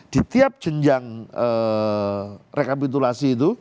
di tiap jenjang rekapitulasi itu